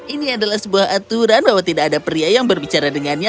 ini adalah sebuah aturan bahwa tidak ada pria yang berbicara dengannya